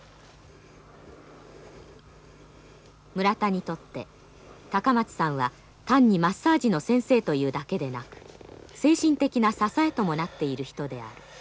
村田にとって高松さんは単にマッサージの先生というだけでなく精神的な支えともなっている人である。